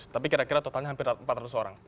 tapi kira kira totalnya hampir empat ratus orang